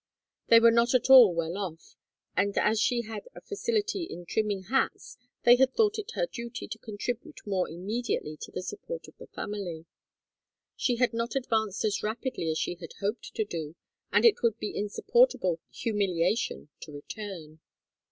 They were not at all well off, and as she had a facility in trimming hats they had thought it her duty to contribute more immediately to the support of the family. She had not advanced as rapidly as she had hoped to do, and it would be insupportable humiliation to return.